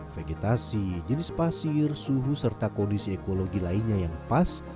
vegetasi jenis pasir suhu serta kondisi ekologi lainnya yang pas